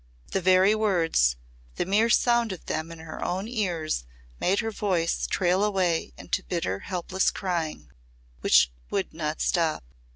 The very words the mere sound of them in her own ears made her voice trail away into bitter helpless crying which would not stop.